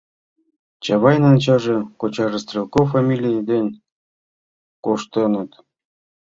Чавайнын ачаже, кочаже Стрелков фамилий дене коштыныт.